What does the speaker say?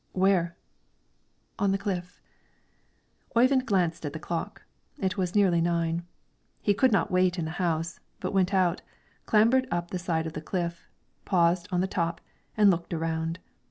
"Where?" "On the cliff." Oyvind glanced at the clock; it was nearly nine. He could not wait in the house, but went out, clambered up the side of the cliff, paused on the top, and looked around.